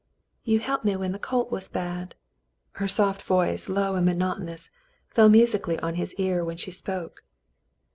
"You helped me when the colt was bad." Her soft voice, low and monotonous, fell musically on his ear when she spoke.